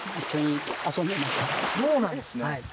そうなんですね。